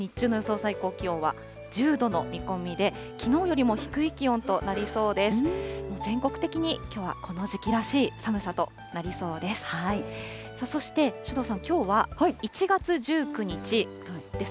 最高気温は１０度の見込みで、きのうよりも低い気温となりそうです。